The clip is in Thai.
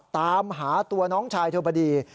ตามหาตัวน้องชายเท่าประดี